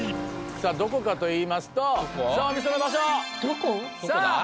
さあどこかといいますとそのお店の場所さあ！